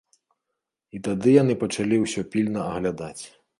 І тады яны пачалі ўсё пільна аглядаць.